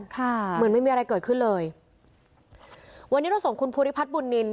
ค่ะเหมือนไม่มีอะไรเกิดขึ้นเลยวันนี้เราส่งคุณภูริพัฒนบุญนิน